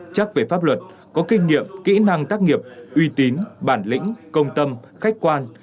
chắc về pháp luật có kinh nghiệm kỹ năng tác nghiệp uy tín bản lĩnh công tâm khách quan